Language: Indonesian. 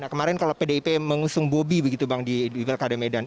kemarin kalau pdip mengusung bobi begitu bang di pilkada medan